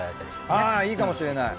あいいかもしれない。